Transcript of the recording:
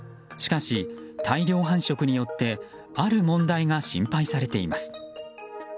しかし大量繁殖によってある問題が心配されています。